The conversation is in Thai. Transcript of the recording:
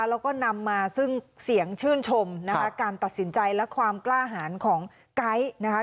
แล้วก็นำมาซึ่งเสียงชื่นชมนะคะการตัดสินใจและความกล้าหารของไก๊นะคะ